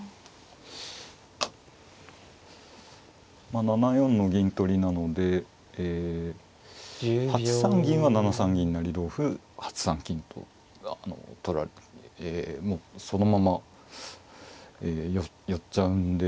まあ７四の銀取りなので８三銀は７三銀成同歩８三金とあのもうそのまま寄っちゃうんで。